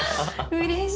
うれしい。